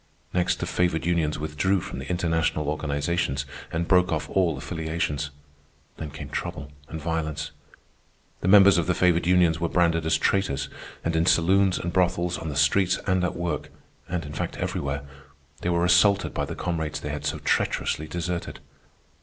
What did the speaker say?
Next, the favored unions withdrew from the international organizations and broke off all affiliations. Then came trouble and violence. The members of the favored unions were branded as traitors, and in saloons and brothels, on the streets and at work, and, in fact, everywhere, they were assaulted by the comrades they had so treacherously deserted.